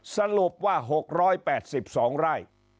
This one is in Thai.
สรุปว่า๖๘๒ไร่